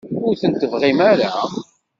Ur ten-tebɣim ara?